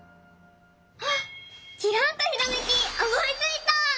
あっきらんとひらめきおもいついた！